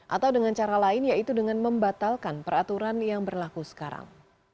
atau dengan cara lain yaitu dengan membatalkan peraturan yang berlaku sekarang